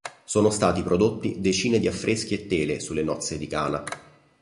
Sono stati prodotti decine di affreschi e tele sulle nozze di Cana.